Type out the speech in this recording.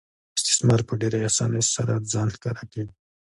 استثمار په ډېرې اسانۍ سره ځان ښکاره کوي